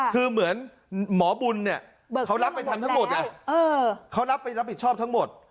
คือเหมือนหมอบุญเนี่ยเขารับไปทำทั้งหมดเขารับไปรับผิดชอบทั้งหมด